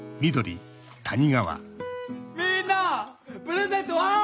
プレゼントは？